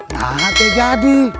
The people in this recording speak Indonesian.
nah nggak jadi